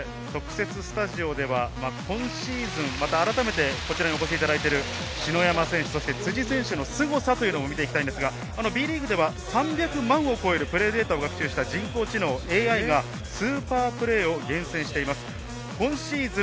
そして特設スタジオでは、今シーズン改めてこちらにお越しいただいている篠山選手、辻選手のすごさも見ていきたいんですが、Ｂリーグでは３００万を超えるプレイデータを搭載したＡＩがスーパープレーを厳選しています。